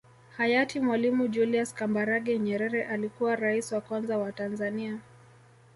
Hayati Mwalimu Julius Kambarage Nyerere alikuwa Rais wa Kwanza wa Tanzania